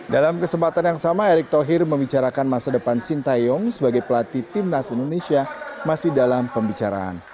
dalam kesempatan yang sama erick thokir membicarakan masa depan sintayung sebagai pelatih tim nas indonesia masih dalam pembicaraan